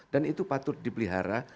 dan itu patut dibelihara